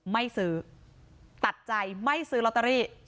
ไม่ซื้อตัดใจไม่ซื้อลอตเตอรี่